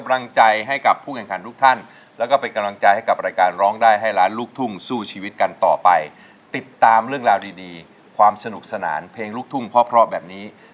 วันนี้ขอลาไปก่อนครับสวัสดีครับ